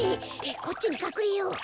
こっちにかくれよう！